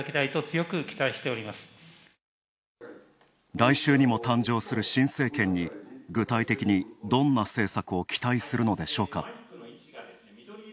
来週にも誕生する新政権に具体的にどんな政策を期待するのでしょうか。